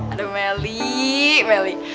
aduh meli meli